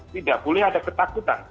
tidak boleh ada ketakutan